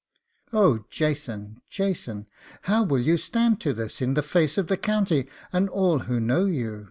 'Oh, Jason! Jason! how will you stand to this in the face of the county, and all who know you?